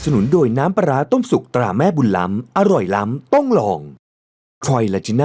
วันนี้แหละค่ะน้องสายฝน